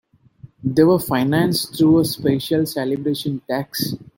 They were financed through a special celebration tax.